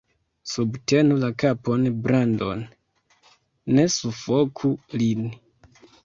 Subtenu la kapon Brandon. Ne sufoku lin.